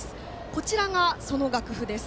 こちらがその楽譜です。